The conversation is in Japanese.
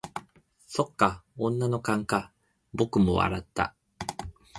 「そっか、女の勘か」僕も笑った。